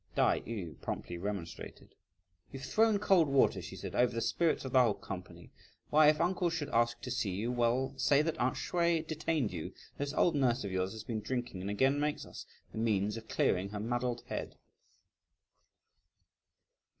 Tai yü promptly remonstrated. "You've thrown cold water," she said, "over the spirits of the whole company; why, if uncle should ask to see you, well, say that aunt Hsüeh detained you. This old nurse of yours has been drinking, and again makes us the means of clearing her muddled head!"